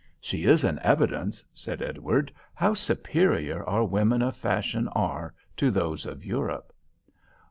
"She is an evidence," said Edward, "how superior our women of fashion are to those of Europe."